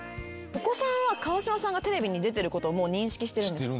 お子さんは川島さんがテレビに出てることをもう認識してるんですか？